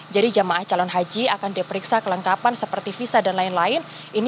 jadi jemaah calon haji akan diperiksa kelengkapan seperti visa dan lain lain